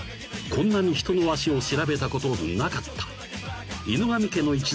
［こんなに人の足を調べたことなかった］